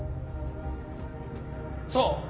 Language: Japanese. そう。